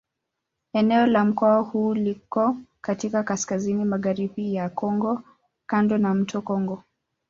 Eneo la mkoa huu liko katika kaskazini-magharibi ya Kongo kando ya mto Kongo.